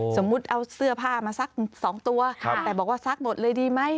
สมมุติเอาเสื้อผ้ามาซัก๒ตัวแต่บอกว่าซักหมดเลยดีไหม